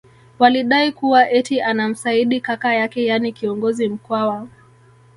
Walidai kuwa eti anamsaidi kaka yake yani kiongozi Mkwawa